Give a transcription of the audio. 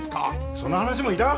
その話もいらん！